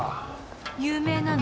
有名なの？